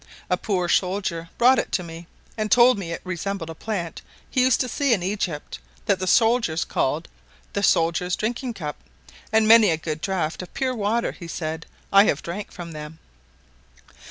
A poor soldier brought it to me, and told me it resembled a plant he used to see in Egypt, that the soldiers called the "Soldier's drinking cup" and many a good draught of pure water, he said, I have drank from them.